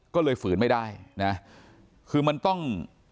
ก็เลยฝืนไม่ได้นะคือมันต้อง